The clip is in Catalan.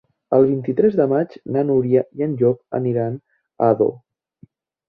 El vint-i-tres de maig na Núria i en Llop aniran a Ador.